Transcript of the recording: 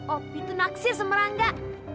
oh itu naksir sama rangga